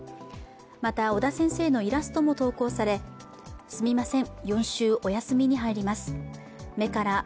また尾田先生のイラストも投稿され、すみません！！